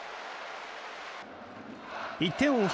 １点を追う